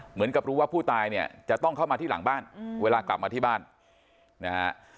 เหมือนกับรู้ว่าผู้ตายเนี่ยจะต้องเข้ามาที่หลังบ้านเวลากลับมาที่บ้านนะฮะ